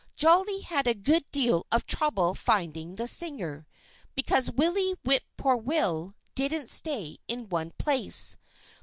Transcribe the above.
Jolly had a good deal of trouble finding the singer, because Willie Whip poor will didn't stay in one place.